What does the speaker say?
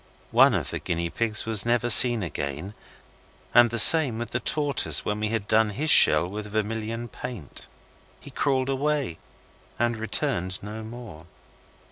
One of the guinea pigs was never seen again, and the same with the tortoise when we had done his shell with vermilion paint. He crawled away and returned no more.